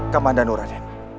kaman dan orang